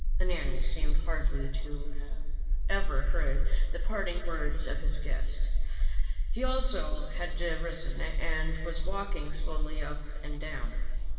Ananias seemed hardly to have heard the parting words of his guest ; he also had risen and was walking slowly up and down.